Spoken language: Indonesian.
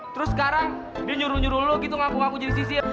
terus sekarang dia nyuruh nyuruh lo gitu ngaku ngaku jadi sisir